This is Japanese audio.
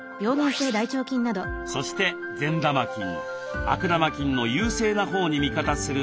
そして善玉菌悪玉菌の優勢なほうに味方する日和見菌。